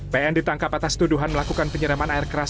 pn ditangkap atas tuduhan melakukan penyereman air keras